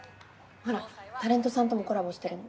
ほらタレントさんともコラボしてるの。